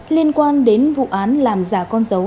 liên quan đến vụ án làm giả con giáo